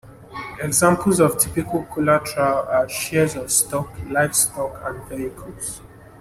Examples of typical collateral are shares of stock, livestock, and vehicles.